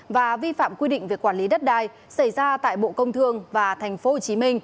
và vi phạm quy định về quản lý đất đai xảy ra tại bộ công thương và tp hcm